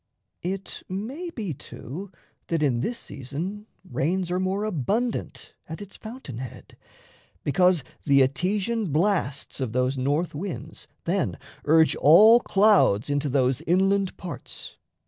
It may be, too, that in this season rains Are more abundant at its fountain head, Because the Etesian blasts of those northwinds Then urge all clouds into those inland parts.